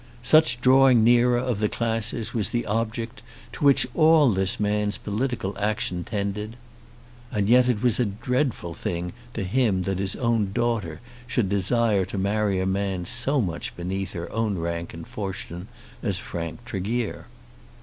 Such drawing nearer of the classes was the object to which all this man's political action tended. And yet it was a dreadful thing to him that his own daughter should desire to marry a man so much beneath her own rank and fortune as Frank Tregear.